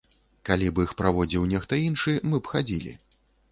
Калі б іх праводзіў нехта іншы, мы б хадзілі.